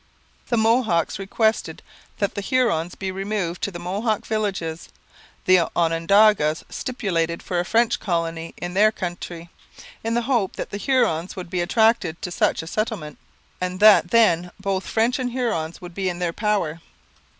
The Mohawks requested that the Hurons be removed to the Mohawk villages; the Onondagas stipulated for a French colony in their country, in the hope that the Hurons would be attracted to such a settlement, and that then both French and Hurons would be in their power.